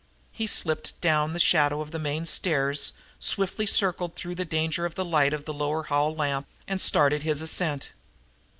He slipped down the shadow of the main stairs, swiftly circled through the danger of the light of the lower hall lamp and started his ascent.